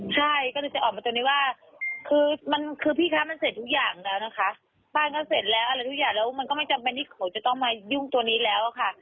ใช่ก็เลยจะออกมาตัวนี้ว่าคือมันคือพี่คะมันเสร็จทุกอย่างแล้วนะคะบ้านก็เสร็จแล้วอะไรทุกอย่างแล้วมันก็ไม่จำเป็นที่เขาจะต้องมายุ่งตัวนี้แล้วค่ะ